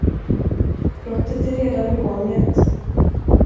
Brottet är redan begånget.